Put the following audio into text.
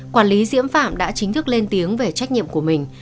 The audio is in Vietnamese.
quản lý diễm phạm đã chính thức lên tiếng về trách nhiệm của mình